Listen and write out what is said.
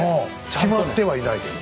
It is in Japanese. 決まってはいないけども。